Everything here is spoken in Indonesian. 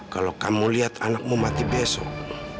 kalau kamu lihat anakmu mati besok